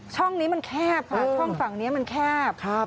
ช่องนี้มันแคบค่ะช่องฝั่งนี้มันแคบ